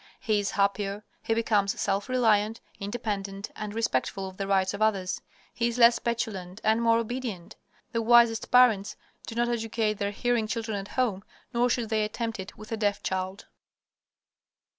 He is happier. He becomes self reliant, independent, and respectful of the rights of others. He is less petulant and more obedient. The wisest parents do not educate their hearing children at home, nor should they attempt it with a deaf child.